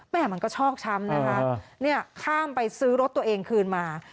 มันก็ชอกช้ำนะคะเนี่ยข้ามไปซื้อรถตัวเองคืนมา